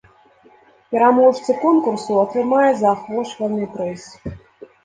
Пераможцы конкурсу атрымаюць заахвочвальны прыз.